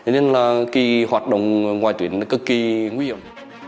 nên là hoạt động ngoài tuyến cực kỳ nguy hiểm